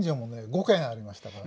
５軒ありましたから。